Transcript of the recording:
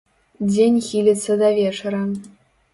Дзень хіліцца да вечара.